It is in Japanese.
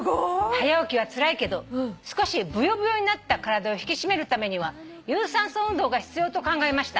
「早起きはつらいけど少しブヨブヨになった体を引き締めるためには有酸素運動が必要と考えました」